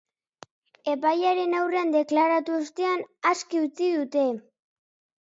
Epailearen aurrean deklaratu ostean, aske utzi dute.